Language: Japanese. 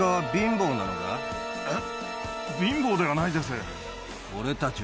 えっ？